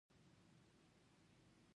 ماته مې خپله کورنۍ ګرانه ده